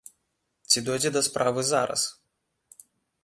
Ці дойдзе да справы зараз?